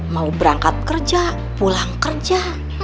mau berangkat kerja pulang kerja